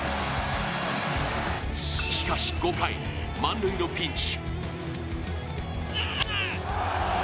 しかし５回、満塁のピンチ。